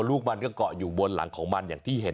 แล้วแม่น